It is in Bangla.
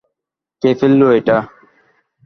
কে ফেললো এটা?